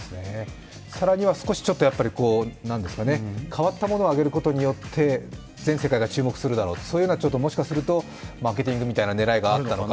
更には少しか変わったものを上げることによって全世界が注目するだろうとそういうようなマーケティングみたいな狙いがあったのか